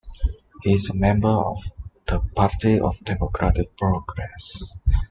He is a member of the Party of Democratic Progress.